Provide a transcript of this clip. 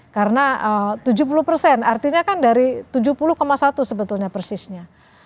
karena tujuh puluh artinya kan dari tujuh puluh satu sebetulnya persisnya